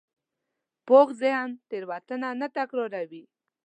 پوخ ذهن تېروتنه نه تکراروي